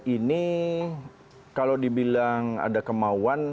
ini kalau dibilang ada kemauan